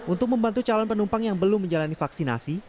untuk membantu calon penumpang yang belum menjalani vaksinasi